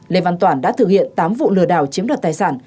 lê văn toản đã thực hiện tám vụ lừa đảo chiếm đọt tài sản